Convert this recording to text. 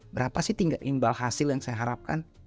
berapa sih tinggal imbal hasil yang saya harapkan